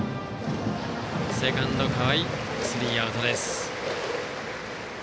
セカンド、河合がとってスリーアウトです。